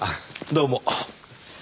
どうも。